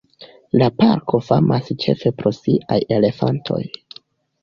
La parko famas ĉefe pro siaj elefantoj.